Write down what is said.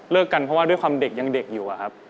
กันเพราะว่าด้วยความเด็กยังเด็กอยู่อะครับ